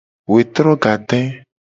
Wetro gade.